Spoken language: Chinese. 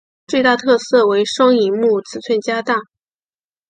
最大特色为双萤幕尺寸加大。